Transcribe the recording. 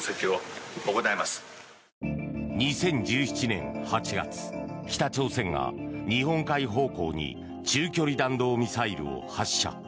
２０１７年８月北朝鮮が日本海方向に中距離弾道ミサイルを発射。